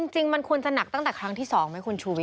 จริงมันควรจะหนักตั้งแต่ครั้งที่๒ไหมคุณชูวิท